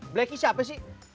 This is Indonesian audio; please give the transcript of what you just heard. blacky siapa sih